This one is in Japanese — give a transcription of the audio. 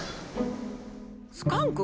スカンク？